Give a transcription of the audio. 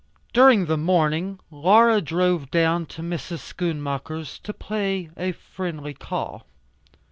During the morning Laura drove down to Mrs. Schoonmaker's to pay a friendly call.